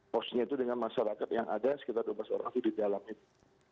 posnya itu dengan masyarakat yang ada sekitar dua belas orang itu di dalam itu